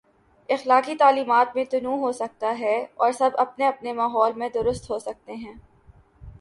اخلاقی تعلیمات میں تنوع ہو سکتا ہے اور سب اپنے اپنے ماحول میں درست ہو سکتے ہیں۔